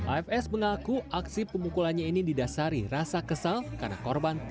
afs mengaku aksi pemukulannya ini didasari rasa kesal karena korban